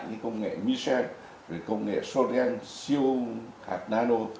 như công nghệ michel công nghệ soden siêu hạt nano